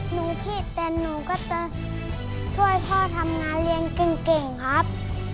หนูผิดแต่หนูก็จะช่วยพ่อทำงานเรียนเก่งครับ